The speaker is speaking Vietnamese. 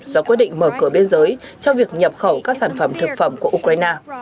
do quyết định mở cửa biên giới cho việc nhập khẩu các sản phẩm thực phẩm của ukraine